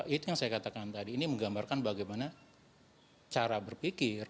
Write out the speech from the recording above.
itu yang saya katakan tadi ini menggambarkan bagaimana cara berpikir